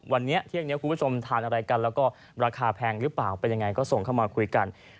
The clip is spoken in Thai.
วันนี้เที่ยงนี้คุณผู้ชมทานอะไรกันแล้วก็ราคาแพงหรือเปล่าเป็นยังไงก็ส่งเข้ามาคุยกัน